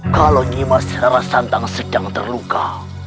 kalau nyimah serara santang sedang terluka